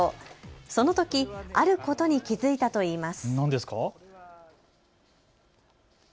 そのときあることに気付いたといいます。